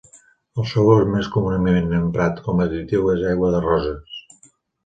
El sabor més comunament emprat com a additiu és aigua de roses.